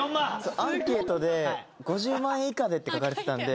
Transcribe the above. アンケートで５０万円以下でって書かれてたんで。